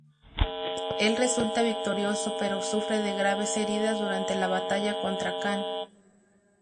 Él resulta victorioso pero sufre de graves heridas durante la batalla contra Kahn.